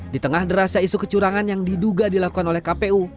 di tengah derasnya isu kecurangan yang diduga dilakukan oleh kpu